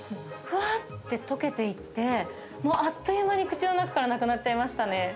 ふわってとけていって、もうあっという間に口の中からなくなっちゃいましたね。